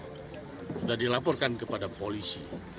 sudah dilaporkan kepada polisi